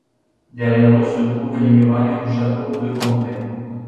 Derrière eux se trouvent les murailles du château de Courtrai.